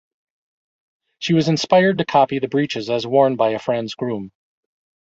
She was inspired to copy the breeches as worn by a friend's groom.